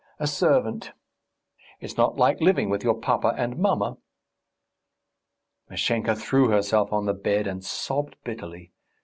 a servant.... It's not like living with your papa and mamma." Mashenka threw herself on the bed and sobbed bitterly.